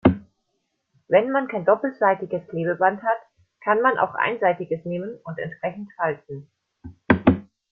Wenn man kein doppelseitiges Klebeband hat, kann man auch einseitiges nehmen und entsprechend falten.